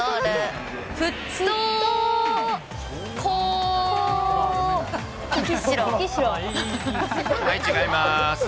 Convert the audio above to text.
はい、違います。